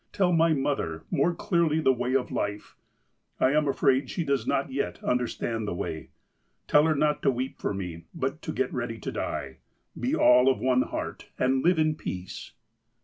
Tell my mother more clearly the way of life. I am afraid she does not yet understand the way. Tell her not to weep for me, but to get ready to die. Be all of one heart, and live in peace